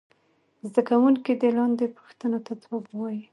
زده کوونکي دې لاندې پوښتنو ته ځواب ووايي.